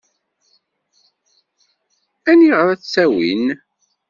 Aniɣer ad tt-awin?